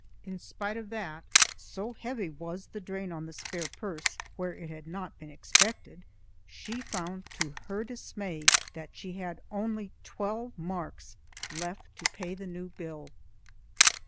In spite of that, so heavy was the drain on the spare purse where it had not been expected, she found to her dismay that she had only twelve marcs left to meet the new bill.